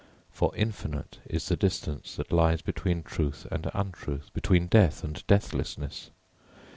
For infinite is the distance that lies between truth and untruth, between death and deathlessness.